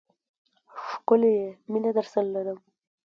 ښکلی یې، مینه درسره لرم